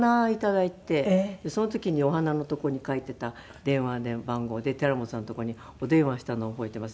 その時にお花のとこに書いていた電話番号で寺本さんのとこにお電話したのを覚えています。